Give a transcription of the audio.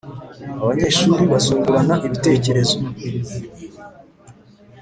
Abanyeshuri bazungurana ibitekerezo